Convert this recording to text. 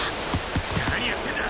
何やってんだ！